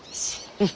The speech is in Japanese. うん。